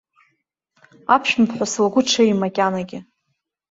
Аԥшәмаԥҳәыс лгәы ҽеим макьанагьы.